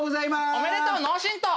おめでとう脳振とう！